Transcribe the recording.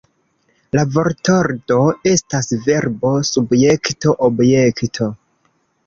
La vortordo estas Verbo Subjekto Objekto.